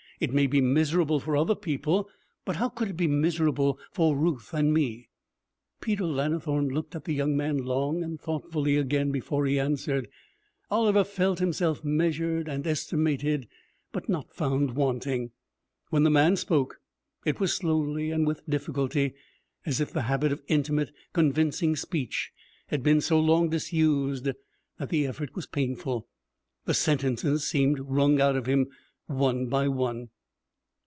It may be miserable for other people, but how could it be miserable for Ruth and me?' Peter Lannithorne looked at the young man long and thoughtfully again before he answered. Oliver felt himself measured and estimated, but not found wanting. When the man spoke, it was slowly and with difficulty, as if the habit of intimate, convincing speech had been so long disused that the effort was painful. The sentences seemed wrung out of him, one by one.